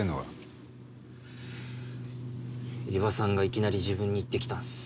伊庭さんがいきなり自分に言ってきたんです。